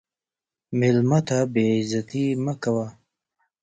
مېلمه ته بې عزتي مه کوه.